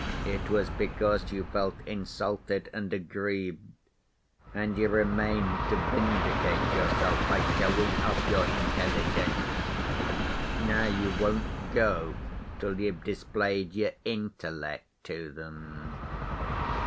It was because you felt insulted and aggrieved, and you remained to vindicate yourself by showing off your intelligence. Now you won't go till you've displayed your intellect to them."